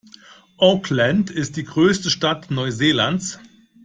Auckland ist die größte Stadt Neuseelands.